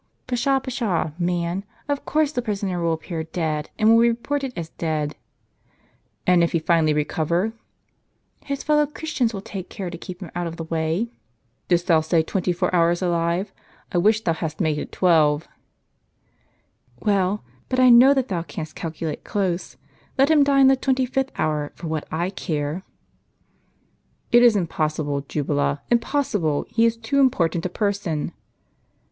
" Pshaw ! pshaw ! man ; of course the prisoner will appear dead, and will be reported as dead." " And if he finally recover ?"" His fellow Christians will take care to keep him out of the w^ay." "Didst thou say twenty four hours alive? I wish thou hadst made it twelve." * We give equivalents in English money, as more intelligible. " Well, but I know that thou canst calculate close. Let him die in the twenty fifth hour, for what I care." "It is impossible, Jubala, impossible; he is too important a person."